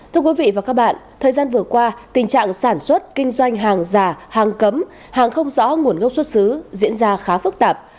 thưa quý vị và các bạn thời gian vừa qua tình trạng sản xuất kinh doanh hàng giả hàng cấm hàng không rõ nguồn gốc xuất xứ diễn ra khá phức tạp